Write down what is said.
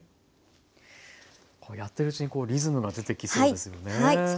やってるうちにリズムが出てきそうですよね。